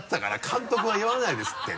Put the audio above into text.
監督は言わないですって